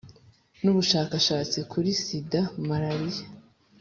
n Ubushakashatsi kuri Sida Malariya